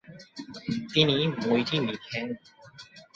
তিনি বইটি লিখেন।